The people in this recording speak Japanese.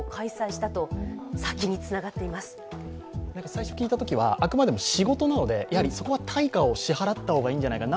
最初聞いたときは、あくまでも仕事なので、そこは対価を支払った方がいいんじゃないか